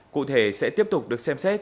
cụ thể sẽ tiếp tục được xem xét